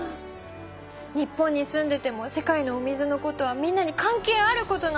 日本に住んでても世界のお水のことはみんなに関係あることなのに！